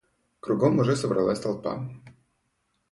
Кругом уже собиралась толпа.